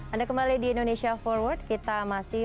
anda kembali di indonesia forward kita masih